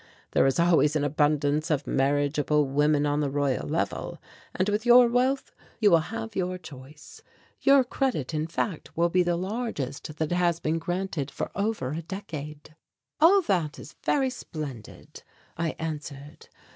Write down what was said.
There is always an abundance of marriageable women on the Royal Level and with your wealth you will have your choice. Your credit, in fact, will be the largest that has been granted for over a decade." "All that is very splendid," I answered.